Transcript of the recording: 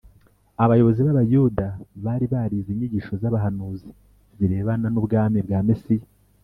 Abayobozi b’Abayuda bari barize inyigisho z’abahanuzi zirebana n’ubwami bwa Mesiya